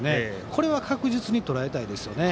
これは確実にとらえたいです。